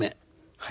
はい。